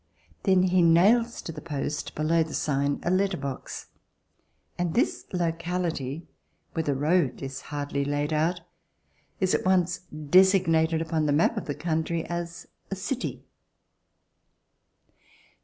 Then he nails to the post below the sign a letter box, and this locality, where the road is hardly laid out, is at once designated upon the map of the country as a city.